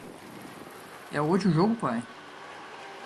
É hoje o jogo pai?